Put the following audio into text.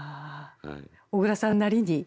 小椋さんなりに。